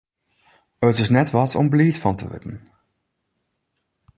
It is net wat om bliid fan te wurden.